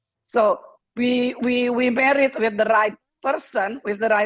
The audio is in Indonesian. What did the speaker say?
esok apabila direnyes melakukannya bersegala atau tidak